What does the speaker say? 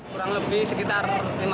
kurang lebih sekitar lima ratus an